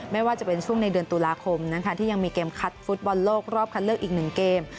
ไม่ว่าจะเป็นช่วงในเดือนตุลาคมนะคะที่ยังมีเกมคัดฟุตบอลโลกรอบคัดเลือกอีก๑เกม